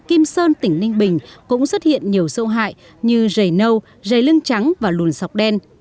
kim sơn tỉnh ninh bình cũng xuất hiện nhiều sâu hại như dày nâu dày lưng trắng và lùn sọc đen